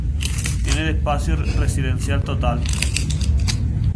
Tiene de espacio residencial total.